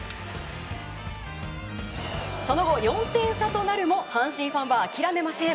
その後、４点差となるも阪神ファンは諦めません。